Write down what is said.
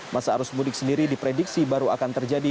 masa arus mudik sendiri diprediksi baru akan terjadi